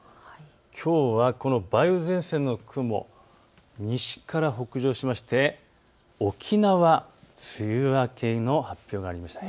きょうはこの梅雨前線の雲、西から北上しまして沖縄、梅雨明けの発表がありました。